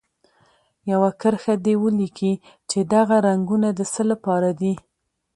یوه کرښه دې ولیکي چې دغه رنګونه د څه لپاره دي.